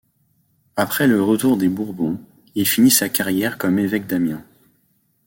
Après le retour des Bourbons, il finit sa carrière comme évêque d'Amiens.